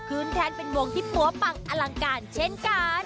คืนแทนเป็นวงที่ปั๊วปังอลังการเช่นกัน